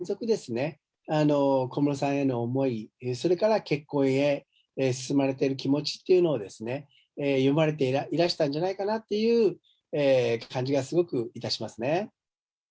振り返ってみると、やはり、歌会始で２年連続ですね、小室さんへの思い、それから結婚へ進まれている気持ちっていうのを詠まれていらしたんじゃないかなという感じがすごくいたしますね。